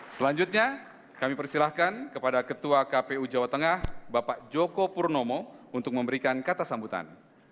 selanjutnya kami persilahkan kepada ketua kpu jawa tengah bapak joko purnomo untuk memberikan kata sambutan